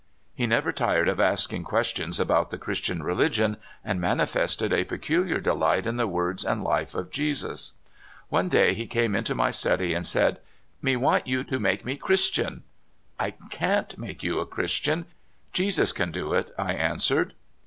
He never tired of asking questions about the Christian religion, and manifested a peculiar delight in the words and life of Jesus. One day he came into my study and said: " Me want you to make me Christian." '' I can't make you a Christian; Jesus can do it," I answered.